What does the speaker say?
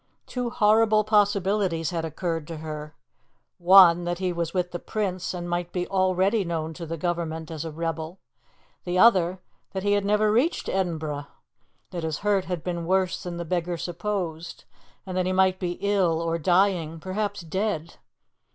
Two horrible possibilities had occurred to her: one, that he was with the Prince, and might be already known to the Government as a rebel; the other, that he had never reached Edinburgh that his hurt had been worse than the beggar supposed, and that he might be ill or dying, perhaps dead.